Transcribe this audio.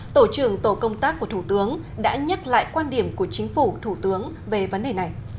tổ trưởng tổ công tác của thủ tướng đã nhắc lại quan điểm của chính phủ thủ tướng về vấn đề này